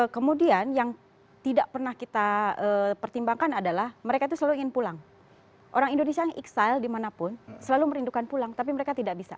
kemudian yang tidak pernah kita pertimbangkan adalah mereka itu selalu ingin pulang orang indonesia yang excile dimanapun selalu merindukan pulang tapi mereka tidak bisa